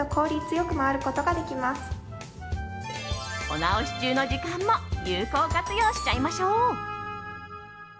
お直し中の時間も有効活用しちゃいましょう。